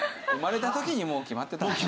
生まれた時にもう決まってた。